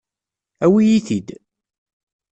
Awi-yi-t-id.